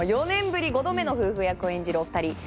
４年ぶり５度目の夫婦役を演じるお二人。